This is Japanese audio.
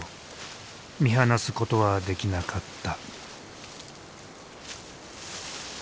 見放すことはできなかった。